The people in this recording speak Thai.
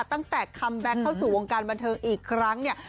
คัมแบ็คเข้าสู่วงการบันเทิงอีกครั้งเนี่ย